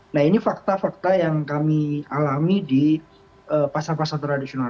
nah ini fakta fakta yang kami alami di pasar pasar tradisional